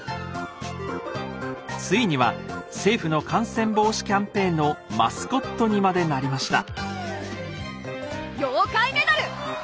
ついには政府の感染防止キャンペーンのマスコットにまでなりました。